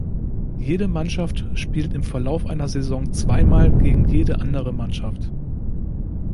Jede Mannschaft spielt im Verlauf einer Saison zweimal gegen jede andere Mannschaft.